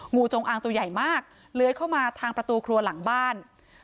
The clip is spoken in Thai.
งูจงอางตัวใหญ่มากเลื้อยเข้ามาทางประตูครัวหลังบ้าน